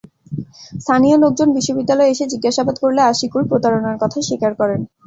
স্থানীয় লোকজন বিদ্যালয়ে এসে জিজ্ঞাসাবাদ করলে আশিকুর প্রতারণার কথা স্বীকার করেন।